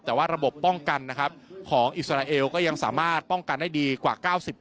แต่ว่าระบบป้องกันนะครับของอิสราเอลก็ยังสามารถป้องกันได้ดีกว่า๙๐